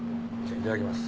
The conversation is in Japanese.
いただきます。